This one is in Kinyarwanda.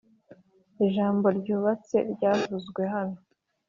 ijambo ryibutsa ryavuzwe hano,